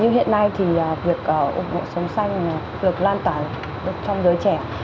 như hiện nay thì việc ủng hộ sống xanh được lan tỏa được trong giới trẻ